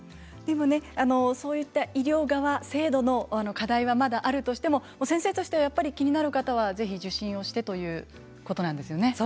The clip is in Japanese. でもそういった医療側制度の課題はまだあるとしても先生としては気になる方はぜひ受診をしてということなんですよね。